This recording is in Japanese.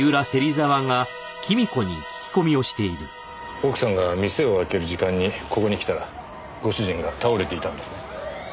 奥さんが店を開ける時間にここに来たらご主人が倒れていたんですね？